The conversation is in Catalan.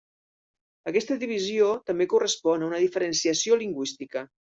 Aquesta divisió també correspon a una diferenciació lingüística.